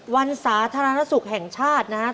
สาธารณสุขแห่งชาตินะครับ